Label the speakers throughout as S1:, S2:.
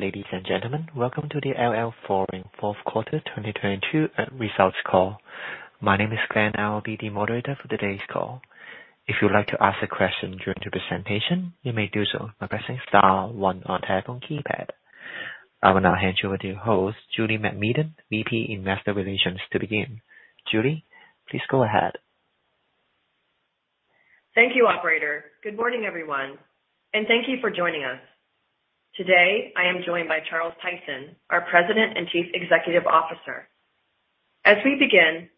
S1: Ladies and gentlemen, welcome to the LL Flooring Q4 2022 Results Call. My name is Glenn. I'll be the moderator for today's call. If you'd like to ask a question during the presentation, you may do so by pressing star one on telephone keypad. I will now hand you over to your host, Julie MacMedan, VP Investor Relations, to begin. Julie, please go ahead.
S2: Thank you, operator. Good morning, everyone, and thank you for joining us. Today, I am joined by Charles Tyson, our President and Chief Executive Officer. As we begin,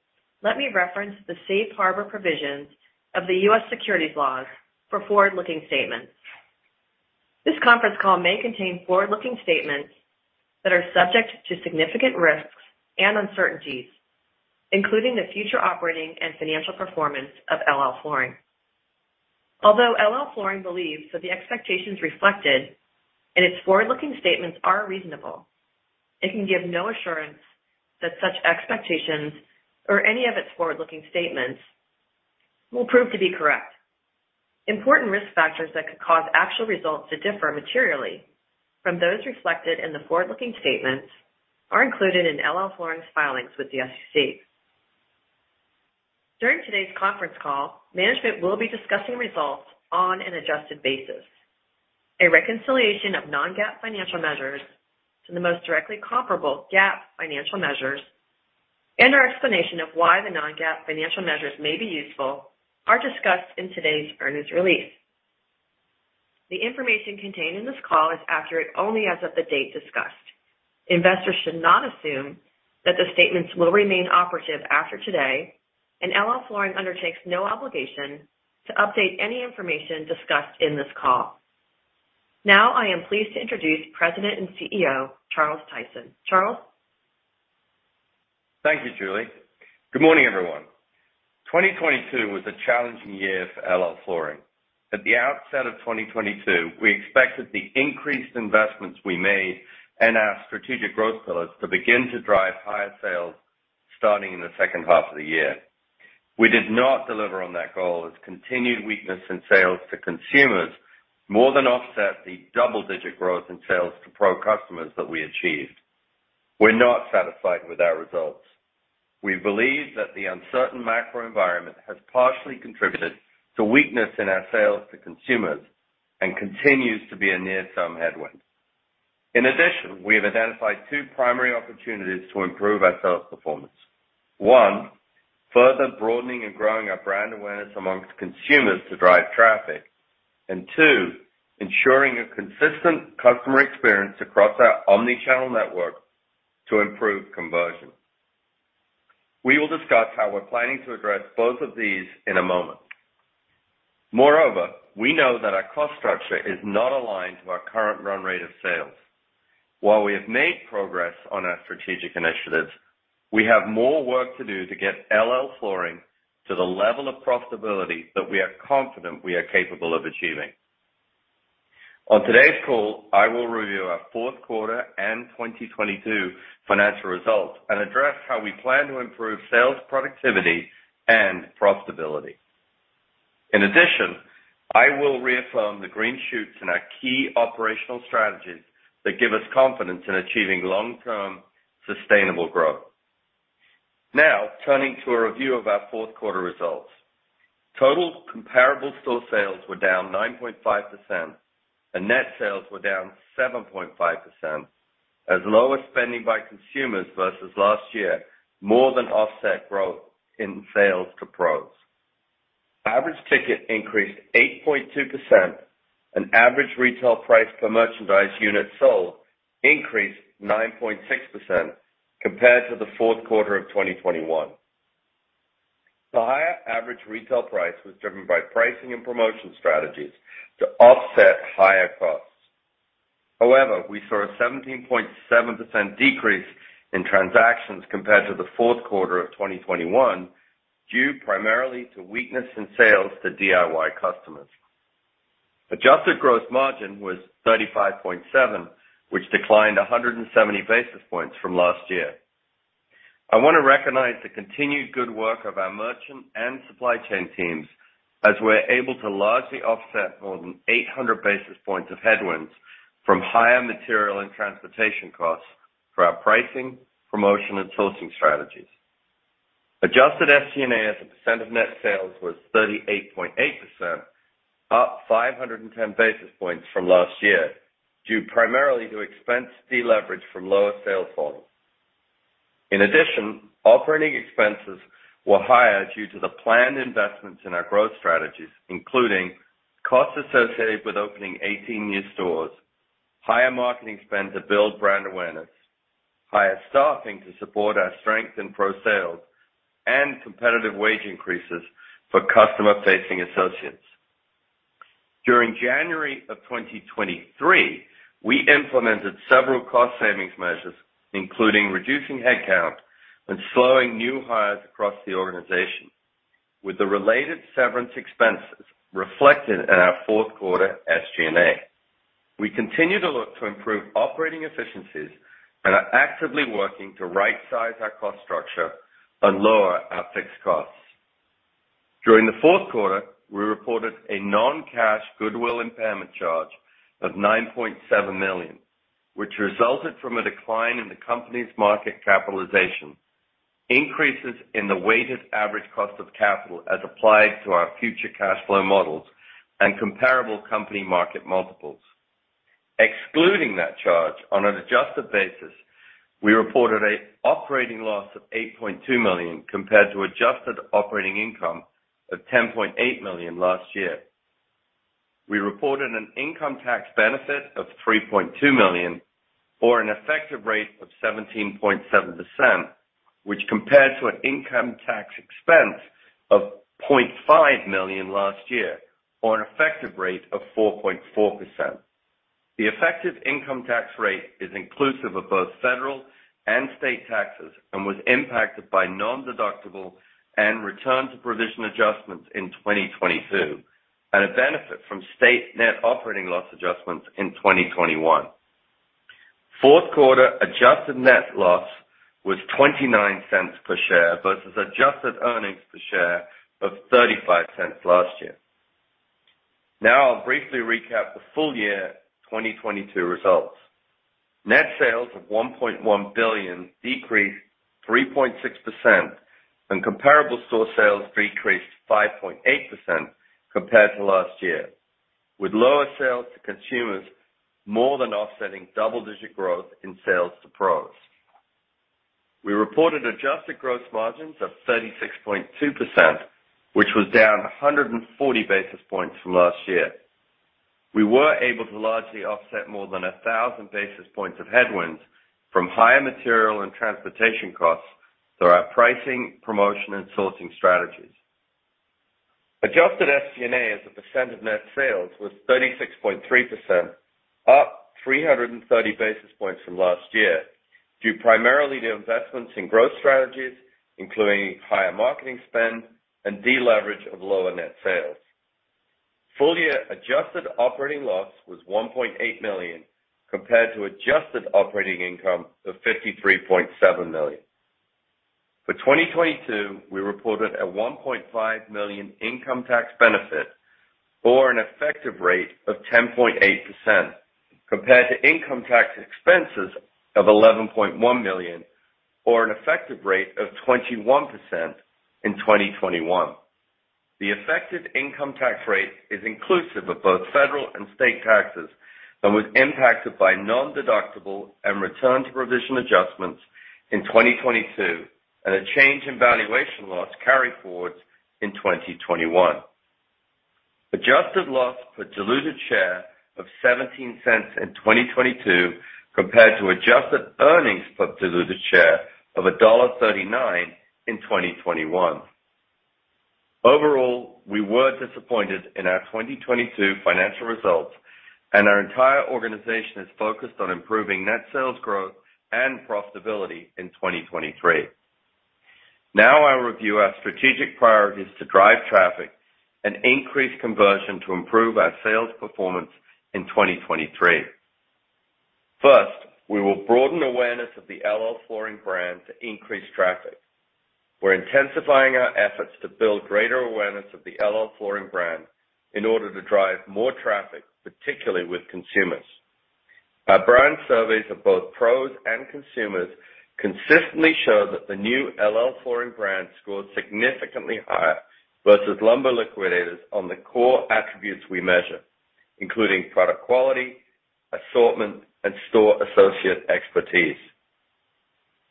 S2: let me reference the safe harbor provisions of the U.S. securities laws for forward-looking statements. This conference call may contain forward-looking statements that are subject to significant risks and uncertainties, including the future operating and financial performance of LL Flooring. Although LL Flooring believes that the expectations reflected in its forward-looking statements are reasonable, it can give no assurance that such expectations or any of its forward-looking statements will prove to be correct. Important risk factors that could cause actual results to differ materially from those reflected in the forward-looking statements are included in LL Flooring's filings with the SEC. During today's conference call, management will be discussing results on an adjusted basis. A reconciliation of non-GAAP financial measures to the most directly comparable GAAP financial measures, and our explanation of why the non-GAAP financial measures may be useful are discussed in today's earnings release. The information contained in this call is accurate only as of the date discussed. Investors should not assume that the statements will remain operative after today, and LL Flooring undertakes no obligation to update any information discussed in this call. Now I am pleased to introduce President and CEO, Charles Tyson. Charles?
S3: Thank you, Julie. Good morning, everyone. 2022 was a challenging year for LL Flooring. At the outset of 2022, we expected the increased investments we made in our strategic growth pillars to begin to drive higher sales starting in the second half of the year. We did not deliver on that goal as continued weakness in sales to consumers more than offset the double-digit growth in sales to pro customers that we achieved. We're not satisfied with our results. We believe that the uncertain macro environment has partially contributed to weakness in our sales to consumers and continues to be a near-term headwind. In addition, we have identified two primary opportunities to improve our sales performance. One, further broadening and growing our brand awareness amongst consumers to drive traffic. Two, ensuring a consistent customer experience across our omni-channel network to improve conversion. We will discuss how we're planning to address both of these in a moment. Moreover, we know that our cost structure is not aligned to our current run rate of sales. While we have made progress on our strategic initiatives, we have more work to do to get LL Flooring to the level of profitability that we are confident we are capable of achieving. On today's call, I will review our Q4 and 2022 financial results and address how we plan to improve sales productivity and profitability. In addition, I will reaffirm the green shoots in our key operational strategies that give us confidence in achieving long-term sustainable growth. Now turning to a review of our Q4 results. Total comparable store sales were down 9.5%, and net sales were down 7.5% as lower spending by consumers versus last year more than offset growth in sales to pros. Average ticket increased 8.2%, and average retail price per merchandise unit sold increased 9.6% compared to the Q4 of 2021. The higher average retail price was driven by pricing and promotion strategies to offset higher costs. However, we saw a 17.7% decrease in transactions compared to the Q4 of 2021, due primarily to weakness in sales to DIY customers. Adjusted gross margin was 35.7%, which declined 170 basis points from last year. I wanna recognize the continued good work of our merchant and supply chain teams as we're able to largely offset more than 800 basis points of headwinds from higher material and transportation costs through our pricing, promotion, and sourcing strategies. Adjusted SG&A as a percent of net sales was 38.8%, up 510 basis points from last year, due primarily to expense deleverage from lower sales volumes. In addition, operating expenses were higher due to the planned investments in our growth strategies, including costs associated with opening 18 new stores, higher marketing spend to build brand awareness, higher staffing to support our strength in pro sales, and competitive wage increases for customer-facing associates. During January of 2023, we implemented several cost savings measures, including reducing headcount and slowing new hires across the organization, with the related severance expenses reflected in our Q4 SG&A. We continue to look to improve operating efficiencies and are actively working to rightsize our cost structure and lower our fixed costs. During the Q4, we reported a non-cash goodwill impairment charge of $9.7 million, which resulted from a decline in the company's market capitalization, increases in the weighted average cost of capital as applied to our future cash flow models and comparable company market multiples. Excluding that charge, on an adjusted basis, we reported a operating loss of $8.2 million compared to adjusted operating income of $10.8 million last year. We reported an income tax benefit of $3.2 million or an effective rate of 17.7%, which compared to an income tax expense of $0.5 million last year, or an effective rate of 4.4%. The effective income tax rate is inclusive of both federal and state taxes and was impacted by nondeductible and return to provision adjustments in 2022, and a benefit from state net operating loss adjustments in 2021. Q4 adjusted net loss was $0.29 per share versus adjusted earnings per share of $0.35 last year. I'll briefly recap the full year 2022 results. Net sales of $1.1 billion decreased 3.6%, and comparable store sales decreased 5.8% compared to last year, with lower sales to consumers more than offsetting double-digit growth in sales to pros. We reported adjusted gross margins of 36.2%, which was down 140 basis points from last year. We were able to largely offset more than 1,000 basis points of headwinds from higher material and transportation costs through our pricing, promotion, and sourcing strategies. Adjusted SG&A as a percent of net sales was 36.3%, up 330 basis points from last year, due primarily to investments in growth strategies, including higher marketing spend and deleverage of lower net sales. Full-year adjusted operating loss was $1.8 million, compared to adjusted operating income of $53.7 million. For 2022, we reported a $1.5 million income tax benefit or an effective rate of 10.8%, compared to income tax expenses of $11.1 million, or an effective rate of 21% in 2021. The effective income tax rate is inclusive of both federal and state taxes and was impacted by nondeductible and return to provision adjustments in 2022 and a change in valuation loss carried forward in 2021. Adjusted loss per diluted share of $0.17 in 2022 compared to adjusted earnings per diluted share of $1.39 in 2021. Overall, we were disappointed in our 2022 financial results and our entire organization is focused on improving net sales growth and profitability in 2023. Now I'll review our strategic priorities to drive traffic and increase conversion to improve our sales performance in 2023. First, we will broaden awareness of the LL Flooring brand to increase traffic. We're intensifying our efforts to build greater awareness of the LL Flooring brand in order to drive more traffic, particularly with consumers. Our brand surveys of both pros and consumers consistently show that the new LL Flooring brand scored significantly higher versus Lumber Liquidators on the core attributes we measure, including product quality, assortment, and store associate expertise.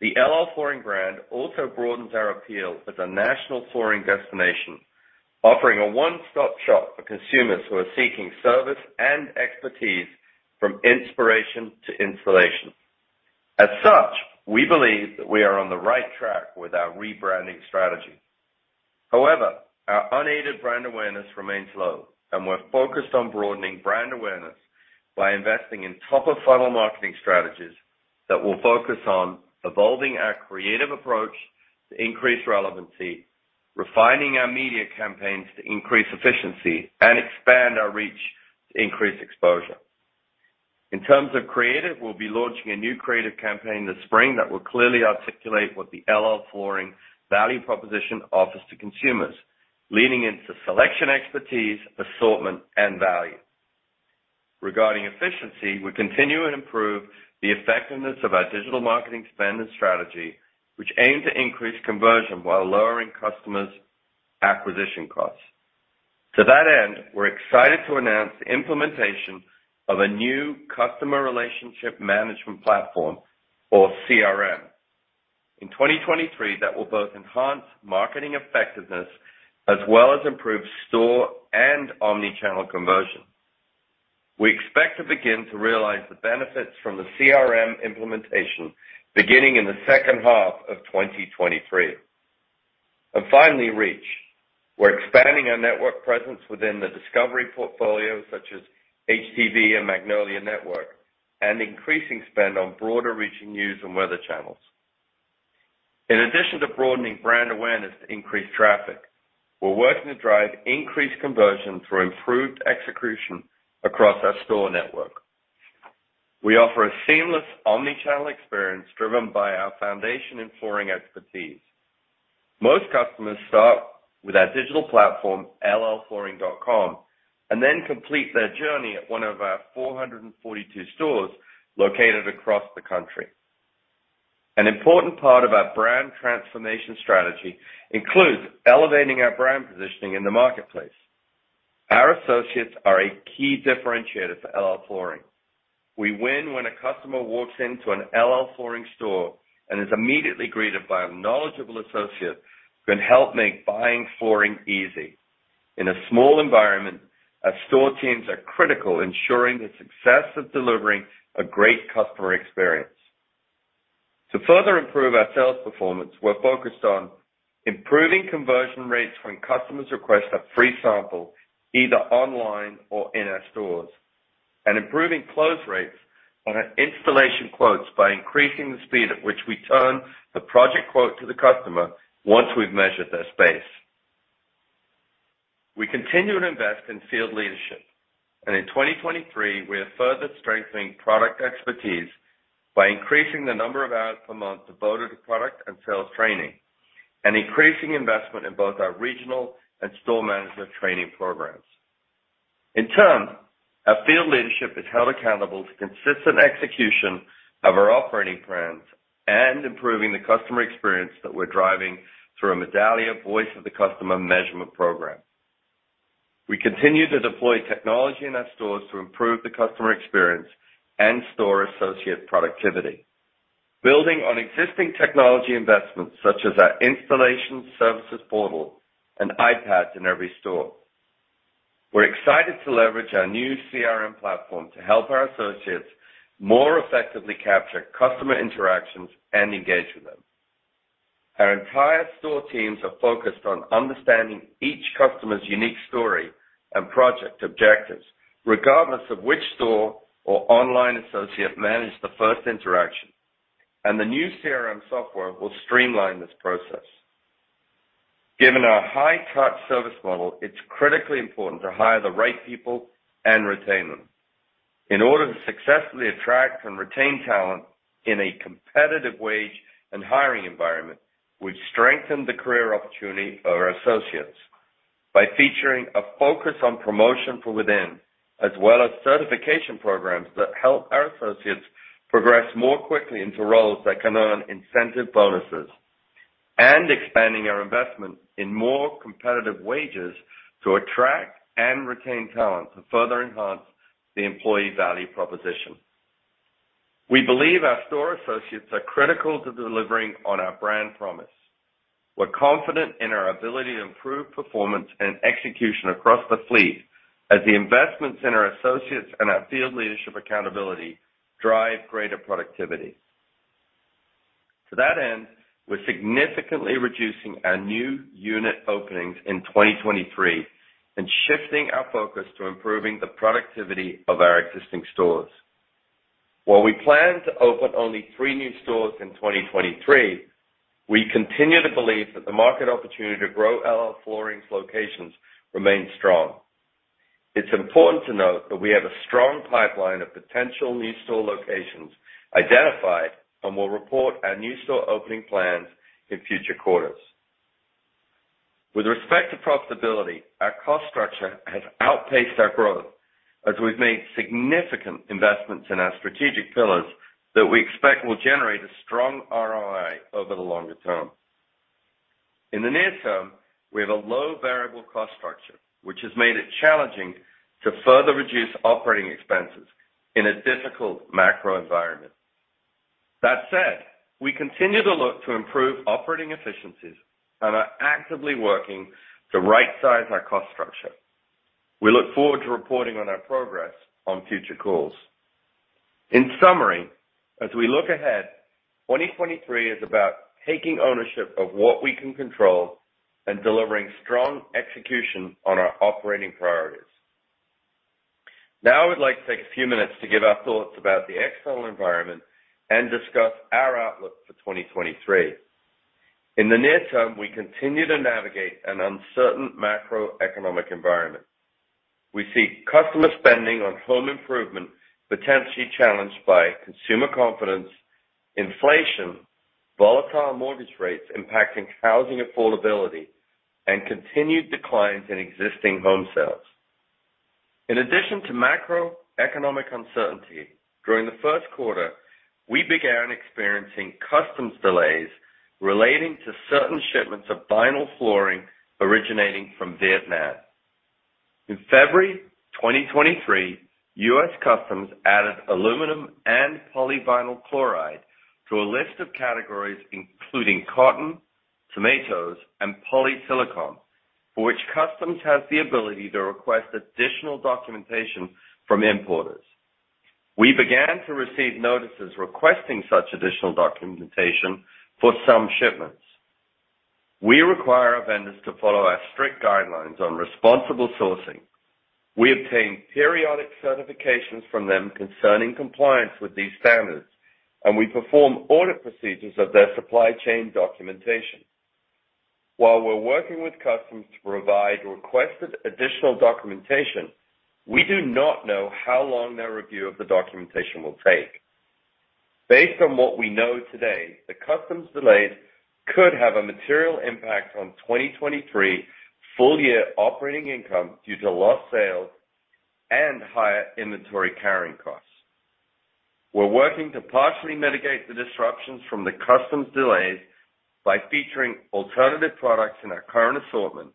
S3: The LL Flooring brand also broadens our appeal as a national flooring destination, offering a one-stop shop for consumers who are seeking service and expertise from inspiration to installation. As such, we believe that we are on the right track with our rebranding strategy. However, our unaided brand awareness remains low and we're focused on broadening brand awareness by investing in top-of-funnel marketing strategies that will focus on evolving our creative approach to increase relevancy, refining our media campaigns to increase efficiency, and expand our reach to increase exposure. In terms of creative, we'll be launching a new creative campaign this spring that will clearly articulate what the LL Flooring value proposition offers to consumers, leaning into selection expertise, assortment, and value. Regarding efficiency, we continue to improve the effectiveness of our digital marketing spend and strategy, which aim to increase conversion while lowering customers' acquisition costs. To that end, we're excited to announce the implementation of a new customer relationship management platform or CRM in 2023 that will both enhance marketing effectiveness as well as improve store and omni-channel conversion. We expect to begin to realize the benefits from the CRM implementation beginning in the second half of 2023. Finally, reach. We're expanding our network presence within the Discovery portfolio such as HGTV and Magnolia Network, and increasing spend on broader-reaching news and weather channels. In addition to broadening brand awareness to increase traffic, we're working to drive increased conversion through improved execution across our store network. We offer a seamless omnichannel experience driven by our foundation and flooring expertise. Most customers start with our digital platform, llflooring.com, and then complete their journey at one of our 442 stores located across the country. An important part of our brand transformation strategy includes elevating our brand positioning in the marketplace. Our associates are a key differentiator for LL Flooring. We win when a customer walks into an LL Flooring store and is immediately greeted by a knowledgeable associate who can help make buying flooring easy. In a small environment, our store teams are critical ensuring the success of delivering a great customer experience. To further improve our sales performance, we're focused on improving conversion rates when customers request a free sample, either online or in our stores, and improving close rates on our installation quotes by increasing the speed at which we turn the project quote to the customer once we've measured their space. We continue to invest in field leadership, and in 2023, we have further strengthened product expertise by increasing the number of hours per month devoted to product and sales training, and increasing investment in both our regional and store management training programs. In turn, our field leadership is held accountable to consistent execution of our operating plans and improving the customer experience that we're driving through a Medallia voice of the customer measurement program. We continue to deploy technology in our stores to improve the customer experience and store associate productivity. Building on existing technology investments such as our installation services portal and iPads in every store. We're excited to leverage our new CRM platform to help our associates more effectively capture customer interactions and engage with them. Our entire store teams are focused on understanding each customer's unique story and project objectives, regardless of which store or online associate managed the first interaction. The new CRM software will streamline this process. Given our high-touch service model, it's critically important to hire the right people and retain them. In order to successfully attract and retain talent in a competitive wage and hiring environment, we've strengthened the career opportunity of our associates by featuring a focus on promotion from within, as well as certification programs that help our associates progress more quickly into roles that can earn incentive bonuses, and expanding our investment in more competitive wages to attract and retain talent to further enhance the employee value proposition. We believe our store associates are critical to delivering on our brand promise. We're confident in our ability to improve performance and execution across the fleet as the investments in our associates and our field leadership accountability drive greater productivity. To that end, we're significantly reducing our new unit openings in 2023 and shifting our focus to improving the productivity of our existing stores. While we plan to open only three new stores in 2023, we continue to believe that the market opportunity to grow LL Flooring's locations remains strong. It's important to note that we have a strong pipeline of potential new store locations identified, and we'll report our new store opening plans in future quarters. With respect to profitability, our cost structure has outpaced our growth as we've made significant investments in our strategic pillars that we expect will generate a strong ROI over the longer term. In the near term, we have a low variable cost structure, which has made it challenging to further reduce operating expenses in a difficult macro environment. That said, we continue to look to improve operating efficiencies and are actively working to rightsize our cost structure. We look forward to reporting on our progress on future calls. In summary, as we look ahead, 2023 is about taking ownership of what we can control and delivering strong execution on our operating priorities. Now, I would like to take a few minutes to give our thoughts about the external environment and discuss our outlook for 2023. In the near term, we continue to navigate an uncertain macroeconomic environment. We see customer spending on home improvement potentially challenged by consumer confidence, inflation, volatile mortgage rates impacting housing affordability, and continued declines in existing home sales. In addition to macroeconomic uncertainty, during the Q1, we began experiencing Customs delays relating to certain shipments of vinyl flooring originating from Vietnam. In February 2023, U.S. Customs added aluminum and polyvinyl chloride to a list of categories including cotton, tomatoes, and polysilicon, for which Customs has the ability to request additional documentation from importers. We began to receive notices requesting such additional documentation for some shipments. We require our vendors to follow our strict guidelines on responsible sourcing. We obtain periodic certifications from them concerning compliance with these standards, we perform audit procedures of their supply chain documentation. We're working with customs to provide requested additional documentation, we do not know how long their review of the documentation will take. Based on what we know today, the customs delays could have a material impact on 2023 full year operating income due to lost sales and higher inventory carrying costs. We're working to partially mitigate the disruptions from the customs delays by featuring alternative products in our current assortment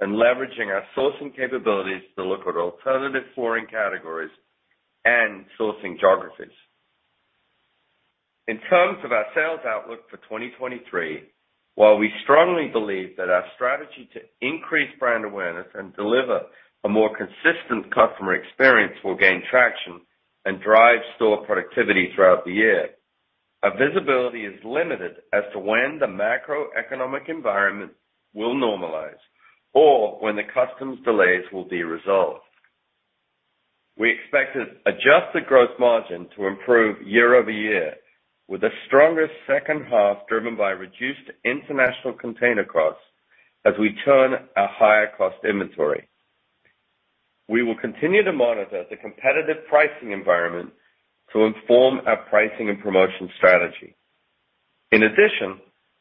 S3: and leveraging our sourcing capabilities to look at alternative flooring categories and sourcing geographies. In terms of our sales outlook for 2023, while we strongly believe that our strategy to increase brand awareness and deliver a more consistent customer experience will gain traction and drive store productivity throughout the year, our visibility is limited as to when the macroeconomic environment will normalize or when the customs delays will be resolved. We expect adjusted gross margin to improve year-over-year, with the strongest second half driven by reduced international container costs as we turn our higher cost inventory. We will continue to monitor the competitive pricing environment to inform our pricing and promotion strategy.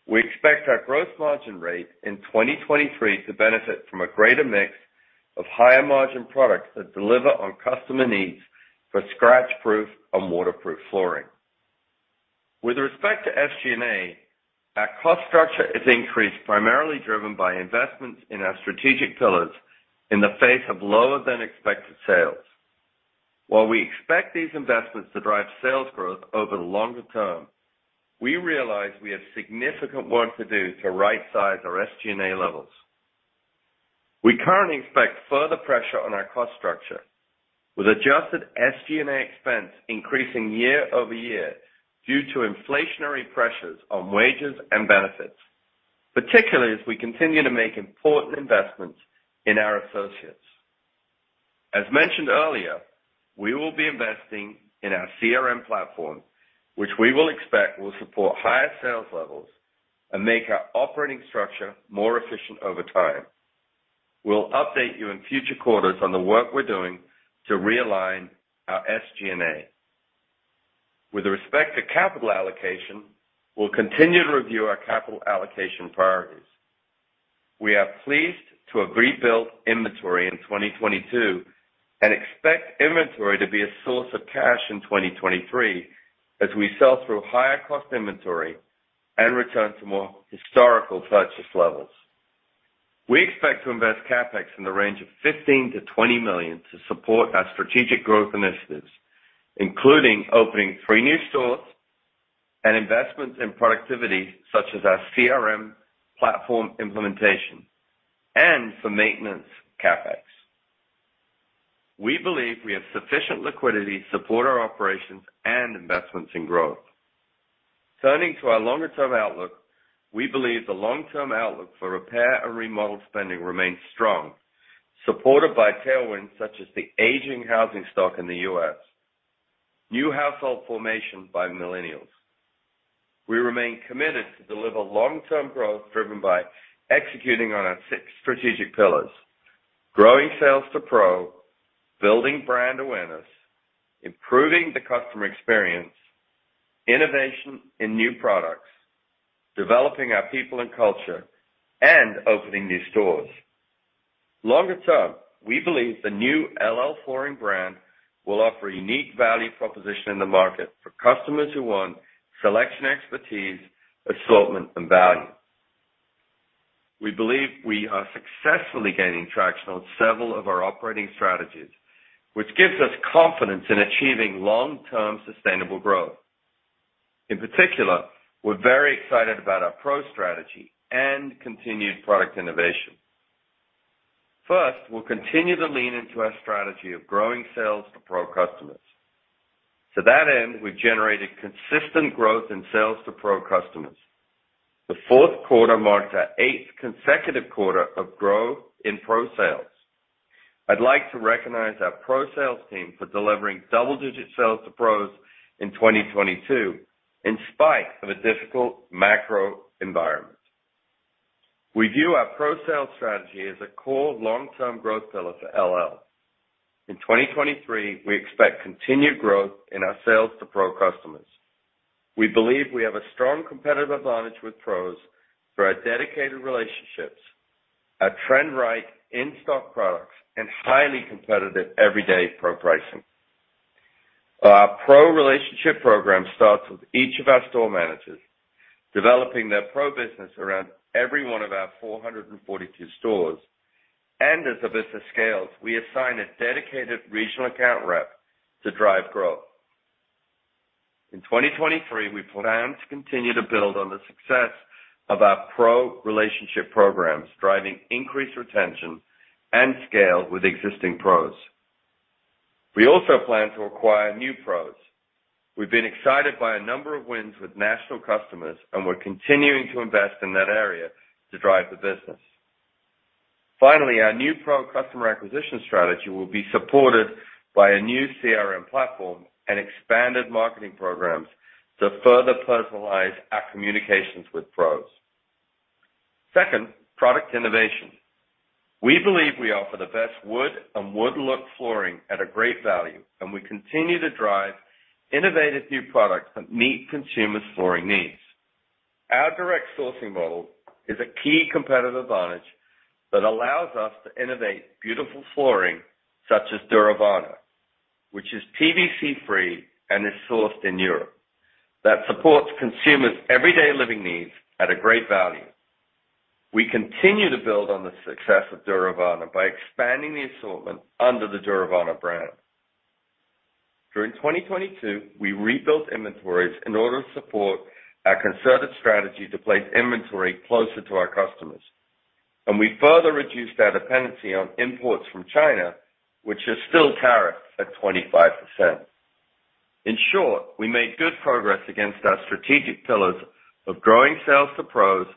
S3: We expect our gross margin rate in 2023 to benefit from a greater mix of higher margin products that deliver on customer needs for scratch-proof and waterproof flooring. With respect to SG&A, our cost structure has increased, primarily driven by investments in our strategic pillars in the face of lower than expected sales. While we expect these investments to drive sales growth over the longer term, we realize we have significant work to do to rightsize our SG&A levels. We currently expect further pressure on our cost structure, with adjusted SG&A expense increasing year-over-year due to inflationary pressures on wages and benefits, particularly as we continue to make important investments in our associates. As mentioned earlier, we will be investing in our CRM platform, which we will expect will support higher sales levels and make our operating structure more efficient over time. We'll update you in future quarters on the work we're doing to realign our SG&A. With respect to capital allocation, we'll continue to review our capital allocation priorities. We are pleased to have rebuilt inventory in 2022 and expect inventory to be a source of cash in 2023 as we sell through higher cost inventory and return to more historical purchase levels. We expect to invest CapEx in the range of $15 million to 20 million to support our strategic growth initiatives, including opening three new stores and investments in productivity, such as our CRM platform implementation and for maintenance CapEx. We believe we have sufficient liquidity to support our operations and investments in growth. Turning to our longer-term outlook, we believe the long-term outlook for repair and remodel spending remains strong, supported by tailwinds such as the aging housing stock in the U.S., new household formation by millennials. We remain committed to deliver long-term growth driven by executing on our six strategic pillars, growing sales to pro, building brand awareness, improving the customer experience, innovation in new products, developing our people and culture, and opening new stores. Longer term, we believe the new LL Flooring brand will offer a unique value proposition in the market for customers who want selection expertise, assortment and value. We believe we are successfully gaining traction on several of our operating strategies, which gives us confidence in achieving long-term sustainable growth. In particular, we're very excited about our pro strategy and continued product innovation. First, we'll continue to lean into our strategy of growing sales to pro customers. To that end, we've generated consistent growth in sales to pro customers. The Q4 marked our eighth consecutive quarter of growth in pro sales. I'd like to recognize our pro sales team for delivering double-digit sales to pros in 2022 in spite of a difficult macro environment. We view our pro sales strategy as a core long-term growth pillar for LL. In 2023, we expect continued growth in our sales to pro customers. We believe we have a strong competitive advantage with pros through our dedicated relationships, our trend-right in-stock products, and highly competitive everyday pro pricing. Our pro relationship program starts with each of our store managers developing their pro business around every one of our 442 stores. As the business scales, we assign a dedicated regional account rep to drive growth. In 2023, we plan to continue to build on the success of our pro relationship programs, driving increased retention and scale with existing pros. We also plan to acquire new pros. We've been excited by a number of wins with national customers. We're continuing to invest in that area to drive the business. Finally, our new pro customer acquisition strategy will be supported by a new CRM platform and expanded marketing programs to further personalize our communications with pros. Second, product innovation. We believe we offer the best wood and wood-look flooring at a great value. We continue to drive innovative new products that meet consumers' flooring needs. Our direct sourcing model is a key competitive advantage that allows us to innovate beautiful flooring such as Duravana, which is PVC-free and is sourced in Europe, that supports consumers' everyday living needs at a great value. We continue to build on the success of Duravana by expanding the assortment under the Duravana brand. During 2022, we rebuilt inventories in order to support our concerted strategy to place inventory closer to our customers, and we further reduced our dependency on imports from China, which is still tariff at 25%. In short, we made good progress against our strategic pillars of growing sales to pros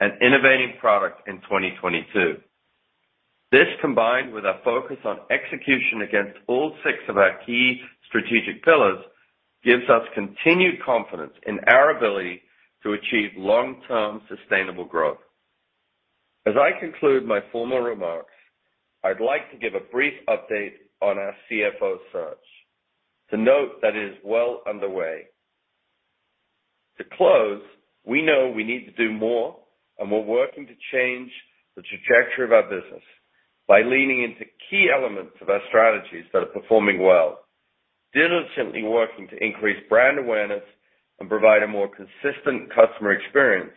S3: and innovating product in 2022. This, combined with our focus on execution against all six of our key strategic pillars, gives us continued confidence in our ability to achieve long-term sustainable growth. As I conclude my formal remarks, I'd like to give a brief update on our CFO search to note that it is well underway. To close, we know we need to do more, and we're working to change the trajectory of our business by leaning into key elements of our strategies that are performing well, diligently working to increase brand awareness and provide a more consistent customer experience,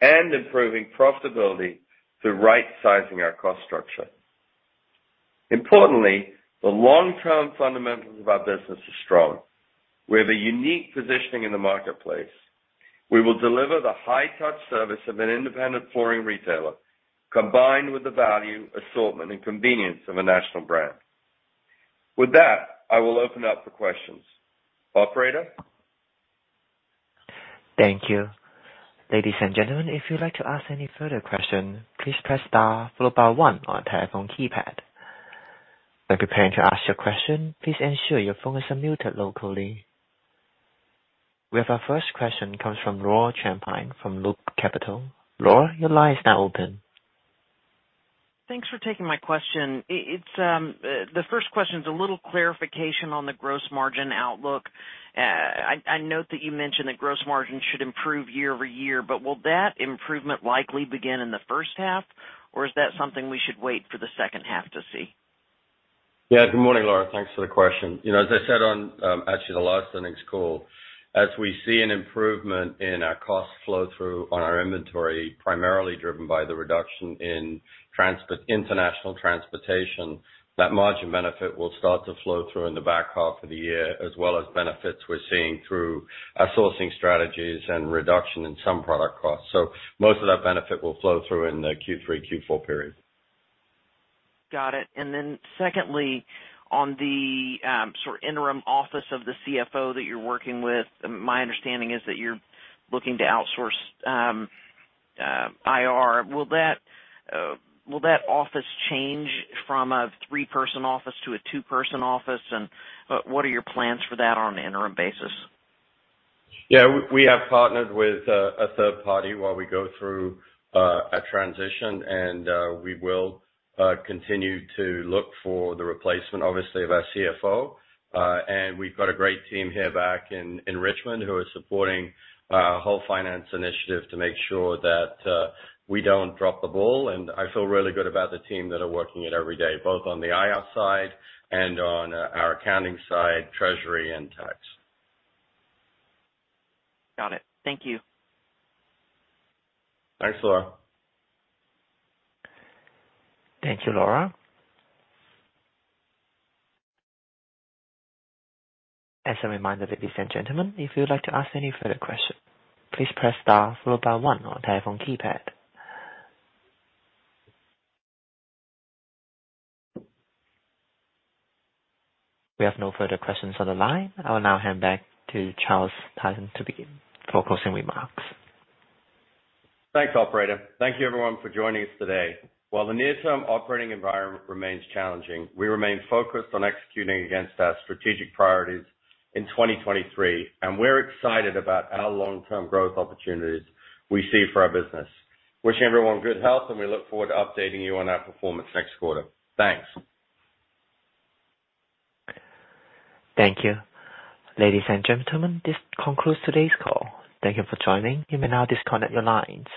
S3: and improving profitability through right-sizing our cost structure. Importantly, the long-term fundamentals of our business are strong. We have a unique positioning in the marketplace. We will deliver the high-touch service of an independent flooring retailer, combined with the value, assortment, and convenience of a national brand. With that, I will open up for questions. Operator?
S1: Thank you. Ladies and gentlemen, if you'd like to ask any further question, please press star follow by one on telephone keypad. When preparing to ask your question, please ensure your phone is muted locally. We have our first question comes from Laura Champine from Loop Capital. Laura, your line is now open.
S4: Thanks for taking my question. The first question is a little clarification on the gross margin outlook. I note that you mentioned that gross margin should improve year-over-year, but will that improvement likely begin in the first half, or is that something we should wait for the second half to see?
S3: Yeah. Good morning, Laura. Thanks for the question. You know, as I said on actually the last earnings call, as we see an improvement in our cost flow through on our inventory, primarily driven by the reduction in transport, international transportation, that margin benefit will start to flow through in the back half of the year, as well as benefits we're seeing through our sourcing strategies and reduction in some product costs. Most of that benefit will flow through in the Q3, Q4 period.
S4: Got it. Secondly, on the sort of interim office of the CFO that you're working with, my understanding is that you're looking to outsource IR. Will that office change from a three-person office to a two-person office, and, what are your plans for that on an interim basis?
S3: Yeah. We have partnered with a third party while we go through a transition, and we will continue to look for the replacement, obviously, of our CFO. We've got a great team here back in Richmond who are supporting our whole finance initiative to make sure that we don't drop the ball. I feel really good about the team that are working it every day, both on the IR side and on our accounting side, treasury and tax.
S4: Got it. Thank you.
S3: Thanks, Laura.
S1: Thank you, Laura. As a reminder, ladies and gentlemen, if you would like to ask any further question, please press star followed by one on telephone keypad. We have no further questions on the line. I will now hand back to Charles Tyson to begin for closing remarks.
S3: Thanks, operator. Thank you everyone for joining us today. While the near-term operating environment remains challenging, we remain focused on executing against our strategic priorities in 2023. We're excited about our long-term growth opportunities we see for our business. Wishing everyone good health. We look forward to updating you on our performance next quarter. Thanks.
S1: Thank you. Ladies and gentlemen, this concludes today's call. Thank you for joining. You may now disconnect your lines.